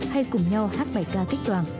hay cùng nhau hát bài ca kết toàn